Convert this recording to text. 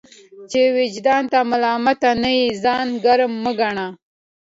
چي وجدان ته ملامت نه يې ځان ګرم مه ګڼه!